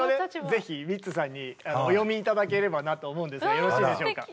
ぜひミッツさんにお読み頂ければなと思うんですがよろしいでしょうか。